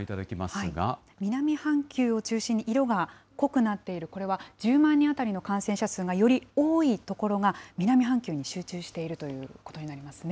南半球を中心に色が濃くなっている、これは１０万人当たりの感染者数がより多い所が、南半球に集中しているということになりますね。